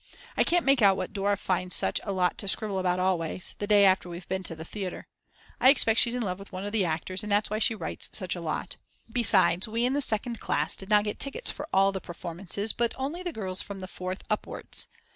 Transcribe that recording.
I can't make out what Dora finds such a lot to scribble about always the day after we've been to the theatre. I expect she's in love with one of the actors and that's why she writes such a lot. Besides we in the second class did not get tickets for all the performances, but only the girls from the Fourth upwards.